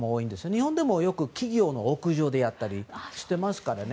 日本でもよく企業の屋上でやったりしてますからね。